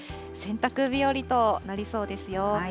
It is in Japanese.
洗濯日和となりそうですよ。